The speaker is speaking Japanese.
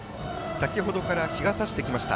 先ほどから日がさしてきました。